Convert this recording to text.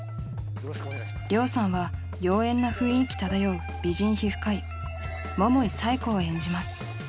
りょうさんは妖艶な雰囲気漂う美人皮膚科医桃井佐恵子を演じます